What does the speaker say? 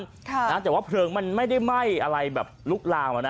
แต่เพลงว่ามันไม่ได้ไหม้ลูกลามา